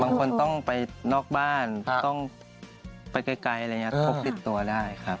บางคนต้องไปนอกบ้านต้องไปไกลอะไรอย่างนี้พกติดตัวได้ครับ